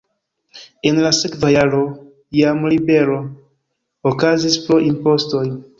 En la sekva jaro jam ribelo okazis pro impostoj.